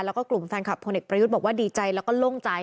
แล้วก็กลุ่มแฟนคลับพลเอกประยุทธ์บอกว่าดีใจแล้วก็โล่งใจ